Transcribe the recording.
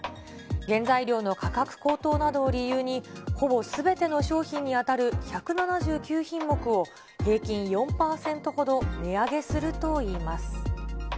原材料の価格高騰などを理由に、ほぼすべての商品に当たる１７９品目を、平均４％ほど値上げするといいます。